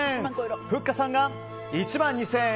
ふっかさんが１万２０００円。